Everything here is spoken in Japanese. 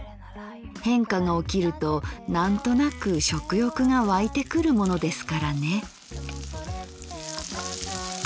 変化が起きるとなんとなく食欲がわいてくるものですからね」。